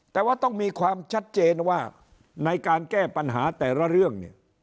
แต่ว่าต้องมีความชัดเจนว่าในการแก้ปัญหาแต่ละเรื่องเนี่ย